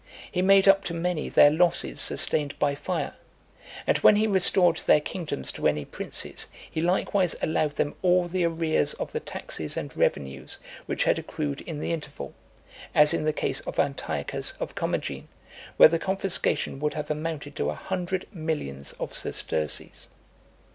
He made up to many their losses sustained by fire; and when he restored their kingdoms to any princes, he likewise allowed them all the arrears of the taxes and revenues which had accrued in the interval; as in the case of Antiochus of Comagene, where the confiscation would have amounted to a hundred millions of sesterces.